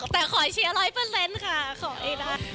แต่ขอเชียร์ร้อยเปอร์เซ็นต์ค่ะขอให้ได้